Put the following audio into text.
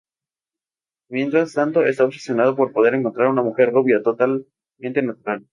Mientras tanto, está obsesionado por poder encontrar a una mujer rubia totalmente natural.